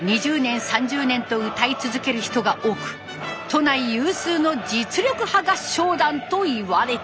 ２０年３０年と歌い続ける人が多く都内有数の実力派合唱団といわれてます。